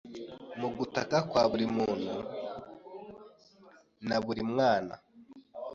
Mu gutaka kwa buri muntu naburimwana